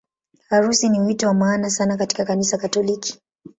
Harusi ni wito wa maana sana katika Kanisa Katoliki.